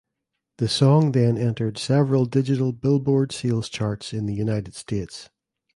The song then entered several digital "Billboard" sales charts in the United States.